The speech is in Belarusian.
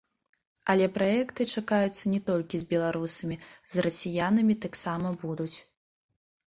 Але праекты чакаюцца не толькі з беларусамі, з расіянамі таксама будуць.